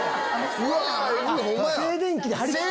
うわホンマや。